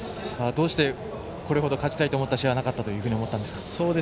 どうしてこれほど勝ちたい思った試合はなかったと思ったんですか？